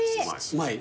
うまい？